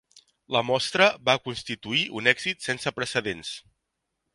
La mostra va constituir un èxit sense precedents.